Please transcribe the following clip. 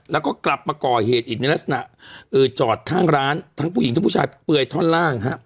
แล้วก็กลับมาก่อเหตุอีกในลักษณะจอดข้างร้านทั้งผู้หญิงทั้งผู้ชายเปลือยท่อนล่าง